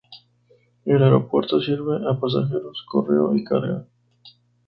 El aeropuerto sirve a pasajeros, correo y carga.